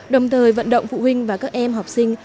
đồng thời vận động phụ huynh và các em học sinh